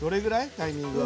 タイミングは。